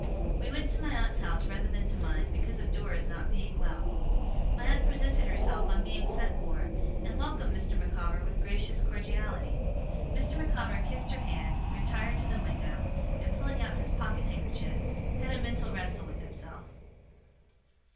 We went to my aunt's house rather than to mine, because of Dora's not being well. My aunt presented herself on being sent for, and welcomed Mr. Micawber with gracious cordiality. Mr. Micawber kissed her hand, retired to the window, and pulling out his pocket handkerchief, had a mental wrestle with himself.